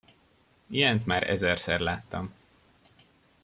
Ilyent már ezerszer láttam.